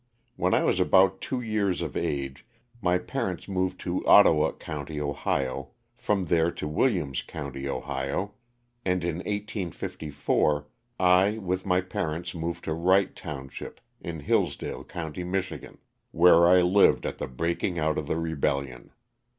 When I was about two years of age my parents moved to Ottawa county, Ohio, from there to Williams county, Ohio, and in 1854 I, with my parents, moved to Wright township, in Hillsdale county, Mich., where I lived at the breaking out of the rebellion.